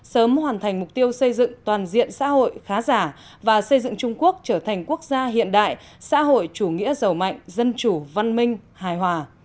sớm hoàn thành mục tiêu xây dựng toàn diện xã hội khá giả và xây dựng trung quốc trở thành quốc gia hiện đại xã hội chủ nghĩa giàu mạnh dân chủ văn minh hài hòa